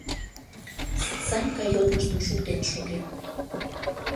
Санька йодмыштым шуктен шоген.